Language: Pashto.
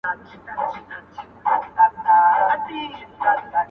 گراني نن ستا گراني نن ستا پر كلي شپه تېروم!